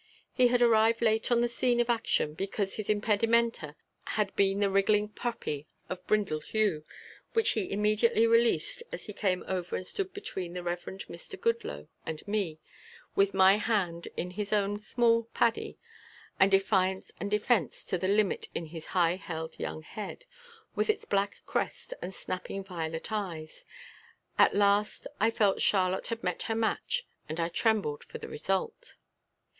He had arrived late on the scene of action because his impedimenta had been the wriggling puppy of brindle hue, which he immediately released as he came over and stood between the Reverend Mr. Goodloe and me, with my hand in his own small paddie and defiance and defense to the limit in his high held young head with its black crest and snapping violet eyes. At last I felt Charlotte had met her match and I trembled for the result.